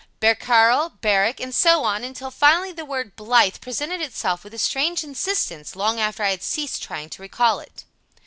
"Barcarole," "Barrack," and so on, until finally the word "Blythe" presented itself with a strange insistence, long after I had ceased trying to recall it.